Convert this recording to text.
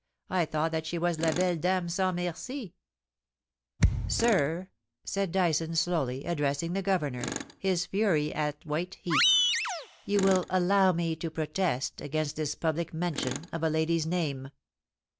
* I thought that she was la belle dame sans nurci,^ * Sir,' said Dyson slowly, addressing the Governor, his fury at white heat, *you will allow me to protest against this public mention of a lady's name.'